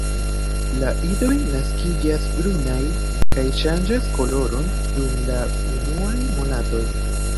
La idoj naskiĝas brunaj kaj ŝanĝas koloron dum la unuaj monatoj.